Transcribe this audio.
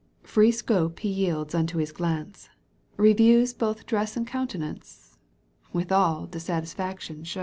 Free scope he yields unto his glance, Eeviews both dress and countenance, With all dissatisfaction shows.